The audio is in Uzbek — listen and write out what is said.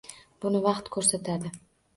Buni vaqt ko‘rsatadi.